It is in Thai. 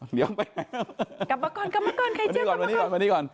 กลับมาก่อนไข่เจียวกลับมาก่อน